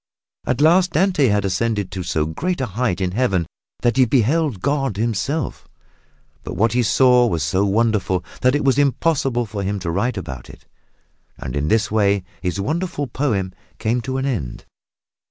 At last Dante had ascended to so great a height in Heaven that he beheld God Himself but what he saw was so wonderful that it was impossible for him to write about it, and in this way his wonderful poem came to an end.